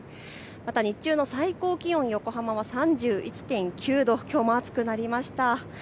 日中の最高気温、横浜は３１．９度、きょうも暑くなりました。